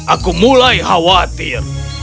aku mulai khawatir